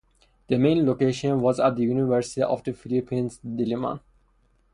The main location was at the University of the Philippines Diliman.